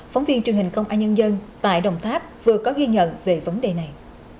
phóng viên truyền hình công an nhân dân tại đồng tháp vừa có ghi nhận về vấn đề này